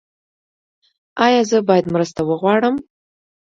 ایا زه باید مرسته وغواړم؟